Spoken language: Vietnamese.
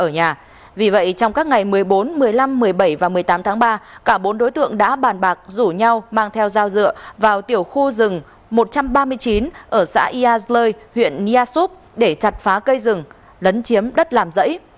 ngày một mươi bốn một mươi năm một mươi bảy và một mươi tám tháng ba cả bốn đối tượng đã bàn bạc rủ nhau mang theo dao dựa vào tiểu khu rừng một trăm ba mươi chín ở xã iazlơi huyện niasup để chặt phá cây rừng lấn chiếm đất làm dẫy